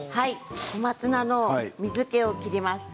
小松菜の水けを切ります。